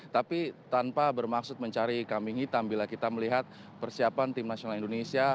tapi tanpa bermaksud mencari kambing hitam bila kita melihat persiapan tim nasional indonesia